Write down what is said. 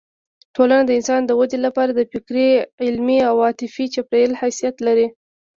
ټولنه د انسان د ودې لپاره د فکري، علمي او عاطفي چاپېریال حیثیت لري.